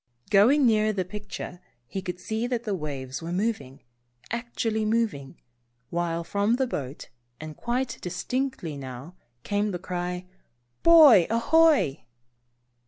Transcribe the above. Going nearer the picture he could see that the waves were moving, actually moving, while from the boat, and quite distinctly now, came the cry, "Boy ahoy."